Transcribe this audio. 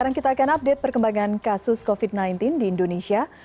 sekarang kita akan update perkembangan kasus covid sembilan belas di indonesia